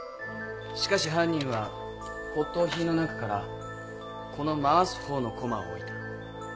しかし犯人は骨董品の中からこの回すほうの独楽を置いた。